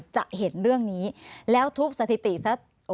จะเห็นเรื่องนี้แล้วทุบสถิติซะ